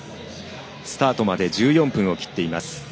スタートまで１４分を切っています。